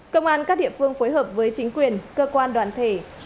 công an các địa phương phối hợp với chính quyền cơ quan đoàn thể